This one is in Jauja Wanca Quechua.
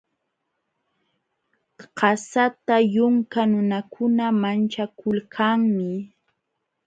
Qasata yunka nunakuna manchakulkanmi.